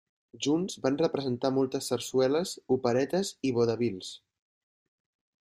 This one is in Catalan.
Junts van representar moltes sarsueles, operetes i vodevils.